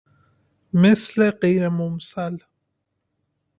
مثل غیر ممثل